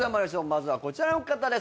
まずはこちらの方です。